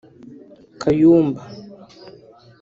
Kayumba